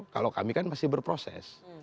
kalau kami kan masih berproses